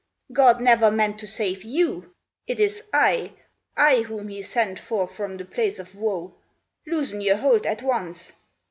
God never meant to save you ! It is I, I whom he sent for from the Place of Wo. Loosen your hold at once